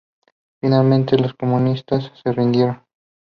Finalmente, los comunistas se rindieron.